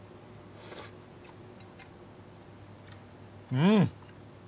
うん！